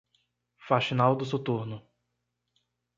Faxinal do Soturno